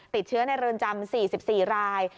ติดเชื้อในเรือนจำ๔๔ราย